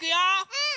うん！